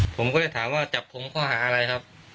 ผมก็จะถามว่าจับผมข้อหาอะไรครับ